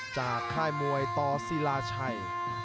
จากค่ายมวยต่อซีลาชัย